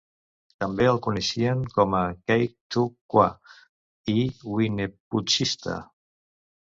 També el coneixien com a Keigh-tugh-qua i Wynepuechsika.